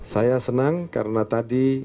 saya senang karena tadi